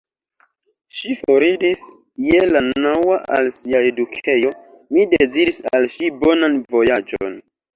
Ŝi foriris je la naŭa al sia edukejo; mi deziris al ŝi bonan vojaĝon.